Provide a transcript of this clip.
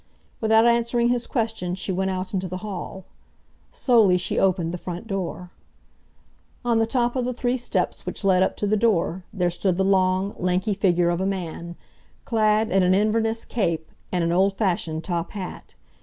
Without answering his question she went out into the hall. Slowly she opened the front door. On the top of the three steps which led up to the door, there stood the long, lanky figure of a man, clad in an Inverness cape and an old fashioned top hat.